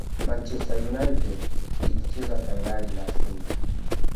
manchester united ikicheza fainali inashinda